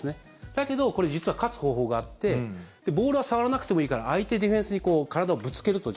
だけど、これ実は勝つ方法があってボールは触らなくてもいいから相手ディフェンスに体をぶつけると。